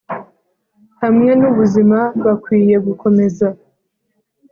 hamwe n ubuzima bakwiye gukomeza